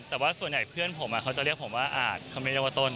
แต่ว่าส่วนใหญ่เพื่อนผมเขาจะเรียกผมว่าอาจเขาไม่เรียกว่าต้น